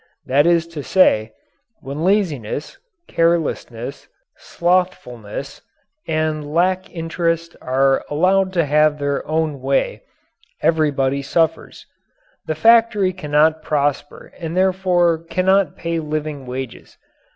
That is to say, when laziness, carelessness, slothfulness, and lack interest are allowed to have their own way, everybody suffers. The factory cannot prosper and therefore cannot pay living wages.